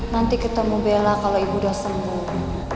nanti ketemu bella kalau ibu sudah sembuh